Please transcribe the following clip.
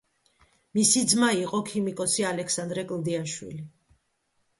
მისი ძმა იყო ქიმიკოსი ალექსანდრე კლდიაშვილი.